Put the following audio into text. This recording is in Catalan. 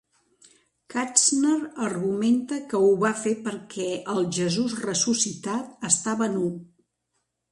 Kastner argumenta que ho va fer perquè el Jesús ressuscitat estava nu.